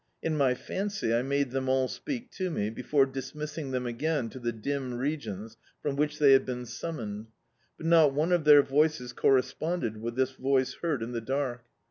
In my fancy I made them all speak to me, before dismissing them again to the dim regions fnxn which they had been sum moned, but not one of their voices corresponded with this voice heard in the dark.